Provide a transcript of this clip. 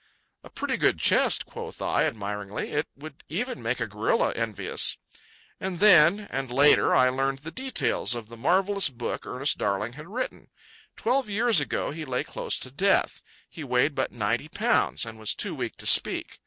"A pretty good chest," quoth I, admiringly; "it would even make a gorilla envious." And then, and later, I learned the details of the marvellous book Ernest Darling had written. Twelve years ago he lay close to death. He weighed but ninety pounds, and was too weak to speak.